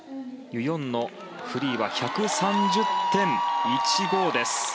ユ・ヨンのフリーは１３０．１５です。